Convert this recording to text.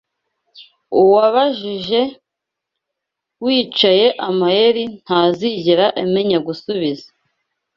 Uwabajije, wicaye amayeri, Ntazigera amenya gusubiza